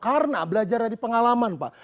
karena belajar dari pengalaman pak